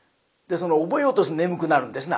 覚えようとすると眠くなるんですね